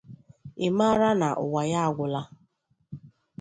ị mara na ụwa ya agwụla